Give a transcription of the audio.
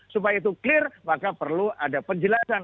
supaya itu clear maka perlu ada penjelasan